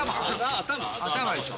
・・頭でしょ